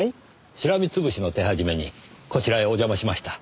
しらみ潰しの手始めにこちらへお邪魔しました。